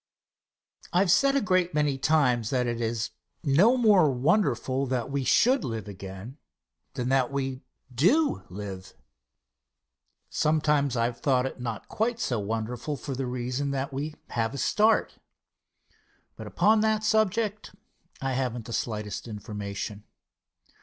Answer. I have said a great many times that it is no more wonderful that we should live again than that we do live. Sometimes I have thought it not quite so wonderful for the reason that we have a start. But upon that subject I have not the slightest information.